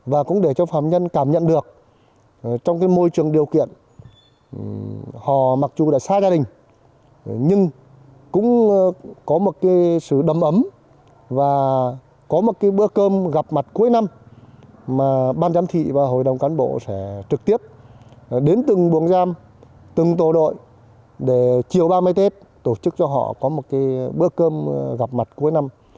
và cũng để cho phạm nhân cảm nhận được trong môi trường điều kiện họ mặc dù đã xa gia đình nhưng cũng có một sự đầm ấm và có một bữa cơm gặp mặt cuối năm mà ban giám thị và hội đồng cán bộ sẽ trực tiếp đến từng buồng giam từng tổ đội để chiều ba mươi tết tổ chức cho họ có một bữa cơm gặp mặt cuối năm